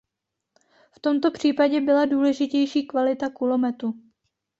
V tomto případě byla důležitější kvalita kulometu.